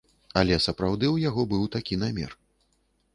Але сапраўды ў яго быў такі намер.